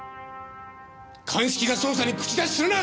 鑑識が捜査に口出しするな！